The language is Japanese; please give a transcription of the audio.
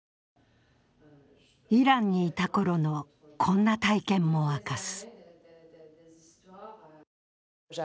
イランにいた頃のこんな体験も明かす。